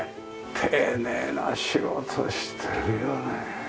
丁寧な仕事してるよねえ。